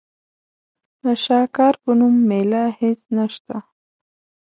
د شاکار په نوم مېله هېڅ نشته.